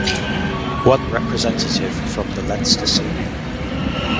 One representative from the Leinster Senior League.